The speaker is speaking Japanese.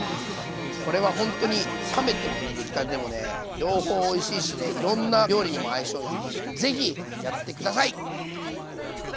これはほんとに冷めても出来たてでも両方おいしいしねいろんな料理にも相性いいんで是非やって下さい！